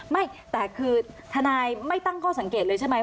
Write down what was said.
ไม่แต่คือทนายไม่ตั้งข้อสังเกตเลยใช่ไหม